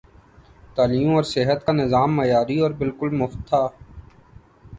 تعلیم اور صحت کا نظام معیاری اور بالکل مفت تھا۔